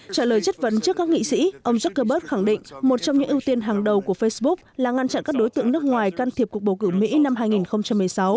trả lời chất vấn trước các nghị sĩ ông zuckerberg khẳng định một trong những ưu tiên hàng đầu của facebook là ngăn chặn các đối tượng nước ngoài can thiệp cuộc bầu cử mỹ năm hai nghìn một mươi sáu